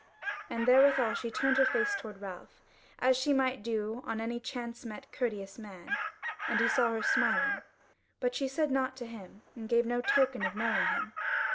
And therewithal she turned her face toward Ralph, as she might do on any chance met courteous man, and he saw her smiling, but she said nought to him, and gave no token of knowing him.